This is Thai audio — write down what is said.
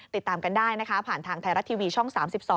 ติดตามกันได้นะคะผ่านทางไทยรัฐทีวีช่อง๓๒